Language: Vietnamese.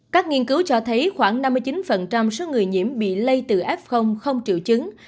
các nghiên cứu cho thấy khoảng năm mươi chín số người nhiễm bị lây từ f không triệu chứng